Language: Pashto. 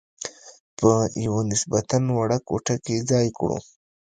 په یوه نسبتاً وړه کوټه کې ځای کړو.